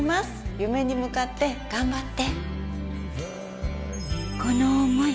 夢に向かって頑張って。